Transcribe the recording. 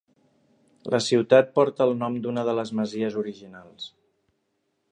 La ciutat porta el nom d'una de les masies originals.